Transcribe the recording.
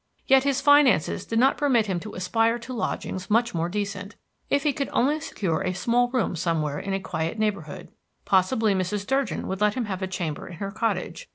Yet his finances did not permit him to aspire to lodgings much more decent. If he could only secure a small room somewhere in a quiet neighborhood. Possibly Mrs. Durgin would let him have a chamber in her cottage.